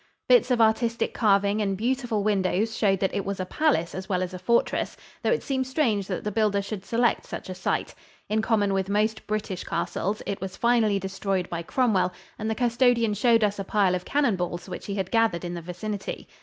Bits of artistic carving and beautiful windows showed that it was a palace as well as a fortress, though it seems strange that the builder should select such a site. In common with most British castles, it was finally destroyed by Cromwell, and the custodian showed us a pile of cannon balls which he had gathered in the vicinity.